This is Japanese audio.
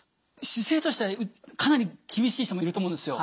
姿勢としてはかなり厳しい人もいると思うんですよ。